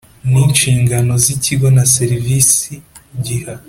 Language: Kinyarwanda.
n inshingano z ikigo na serivisi giha